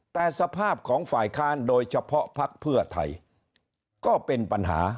แต่สภาพของฝ่ายค้านโดยเฉพาะภักดิ์เพื่อไทยก็เป็นปัญหา